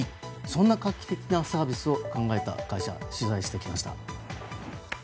そんな画期的なサービスを考えた会社を取材してきました。